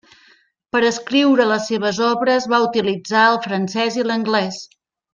Per escriure les seves obres va utilitzar el francès i l'anglès.